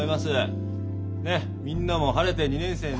ねっみんなも晴れて２年生になって。